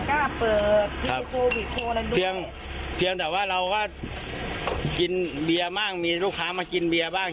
เหมือนกันคือเวลาเขาจะกลับบ้านกันถึง